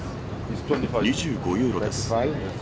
２５ユーロです。